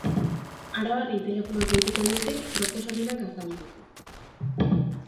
Arabarrei telefonoz deituko diete, proposamenak azaltzeko.